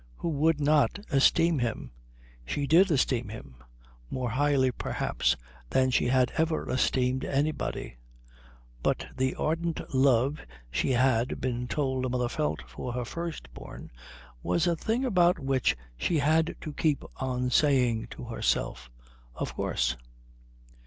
Who would not esteem him? She did esteem him more highly perhaps than she had ever esteemed anybody; but the ardent love she had been told a mother felt for her first born was a thing about which she had to keep on saying to herself, "Of course."